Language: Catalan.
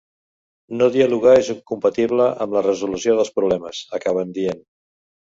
No dialogar és incompatible amb la resolució dels problemes, acaben dient.